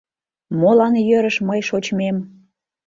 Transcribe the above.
Молан йӧрыш мый шочмем?